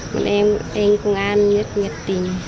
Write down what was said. còn em anh công an nhất nhiệt tình